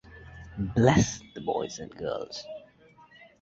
Bless the boys and girls!